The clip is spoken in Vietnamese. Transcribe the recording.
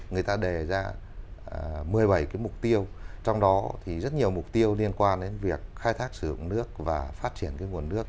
người ta đề ra một mươi bảy mục tiêu trong đó rất nhiều mục tiêu liên quan đến việc khai thác sử dụng nước và phát triển nguồn nước